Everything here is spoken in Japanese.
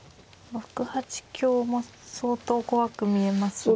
６八香も相当怖く見えますが。